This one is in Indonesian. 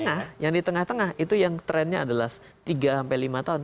nah yang di tengah tengah itu yang trennya adalah tiga sampai lima tahun